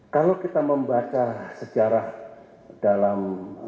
kalau kita membaca sejarah dalam